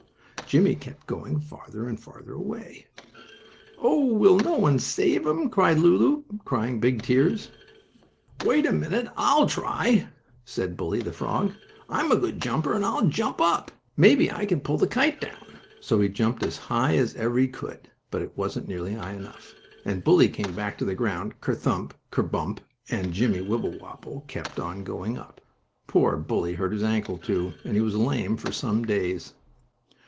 Jimmie kept going farther and farther away. "Oh, will no one save him?" asked Lulu, crying big tears. "Wait a minute, I'll try it!" said Bully, the frog. "I am a good jumper, and I'll jump up. Maybe I can pull the kite down." So he jumped up as high as ever he could, but it wasn't nearly high enough, and Bully came back on the ground, ker thump, ker bump! and Jimmie Wibblewobble kept on going up. Poor Bully hurt his ankle, too, and he was lame for some days.